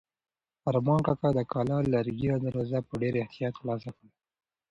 ارمان کاکا د کلا لرګینه دروازه په ډېر احتیاط خلاصه کړه.